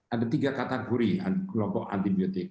ada tiga kategori kelompok antibiotik